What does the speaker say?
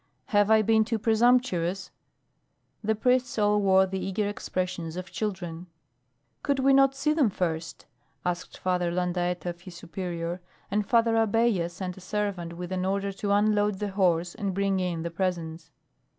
Have I been too presumptuous?" The priests all wore the eager expressions of children. "Could we not see them first?" asked Father Landaeta of his superior; and Father Abella sent a servant with an order to unload the horse and bring in the presents.